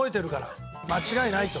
間違いないと。